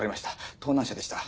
盗難車でした。